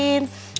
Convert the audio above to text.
kan kamu tahu